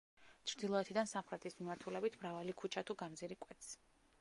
ჩრდილოეთიდან სამხრეთის მიმართულებით, მრავალი ქუჩა თუ გამზირი კვეთს.